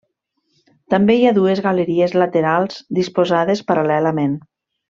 També hi ha dues galeries laterals disposades paral·lelament.